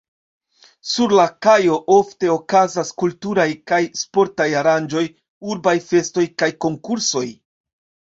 Sur la kajo ofte okazas kulturaj kaj sportaj aranĝoj, urbaj festoj kaj konkursoj.